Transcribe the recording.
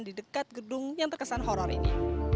di dekat gedung yang terkesan horror ini